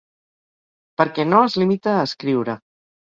Perquè no es limita a escriure.